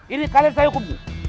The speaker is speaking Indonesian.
ini kalian saya hukum